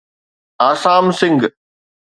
Assam Singh